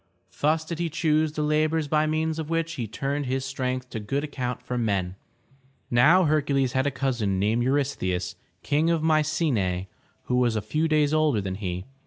Thus did he choose the labors by means of which he turned his strength to good account for men. Now Hercules had a cousin named Eu rystheus, Kang of My ce'nae, who was a few days older than he.